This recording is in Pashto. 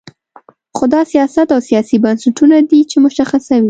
خو دا سیاست او سیاسي بنسټونه دي چې مشخصوي.